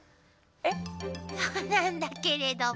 そうなんだけれども。